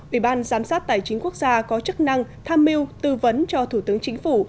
ủy ban giám sát tài chính quốc gia có chức năng tham mưu tư vấn cho thủ tướng chính phủ